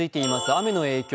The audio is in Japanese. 雨の影響